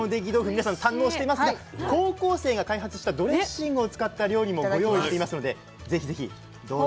皆さん堪能していますが高校生が開発したドレッシングを使った料理もご用意していますので是非是非どうぞ！